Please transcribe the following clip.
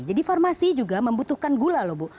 jadi farmasi juga membutuhkan gula loh bu